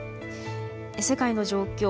世界の状況。